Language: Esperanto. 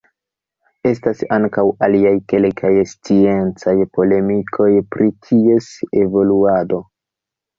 Estas ankaŭ aliaj kelkaj sciencaj polemikoj pri ties evoluado.